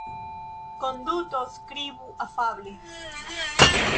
Konduto Skribu afable.